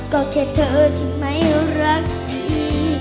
ก็แค่เธอที่ไม่รักดี